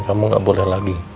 kamu gak boleh lagi